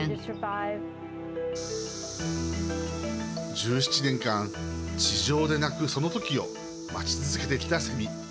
１７年間、地上で鳴くその時を待ち続けてきたセミ。